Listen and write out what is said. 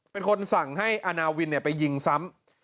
เป็นคนสั่งให้อาณาวินไปยิงซ้ำ